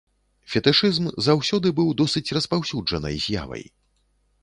Фетышызм заўсёды быў досыць распаўсюджанай з'явай.